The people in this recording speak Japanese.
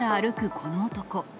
この男。